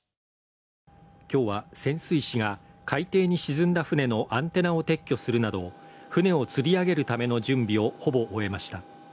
今日は、潜水士が海底に沈んだ船のアンテナを撤去するなど、船をつり上げるための準備をほぼ終えました。